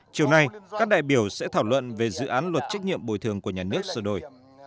chiều nay các đại biểu sẽ thảo luận về dự án luật trách nhiệm bồi thường của nhà nước sửa đổi